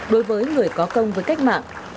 đối với người có công với cách mạng